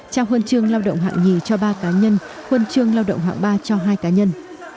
trao huân chương lao động hạng nhì cho ba cá nhân huân chương lao động hạng ba cho hai cá nhân